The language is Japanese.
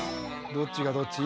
どっちがどっち？